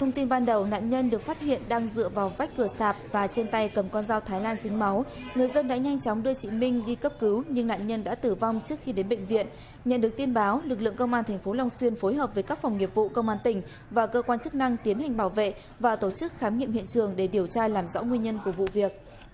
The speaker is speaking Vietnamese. hãy đăng ký kênh để ủng hộ kênh của chúng mình nhé